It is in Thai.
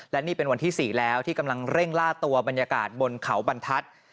และนี่เป็นวันที่๔แล้วที่กำลังเร่งล่าตัวบรรยากาศบนเขาบรรทัศน์